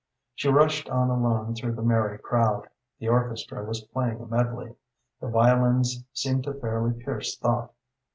She rushed on alone through the merry crowd. The orchestra was playing a medley. The violins seemed to fairly pierce thought.